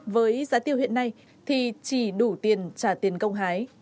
với giá tiêu hiện nay thì chỉ đủ tiền trả tiền công hái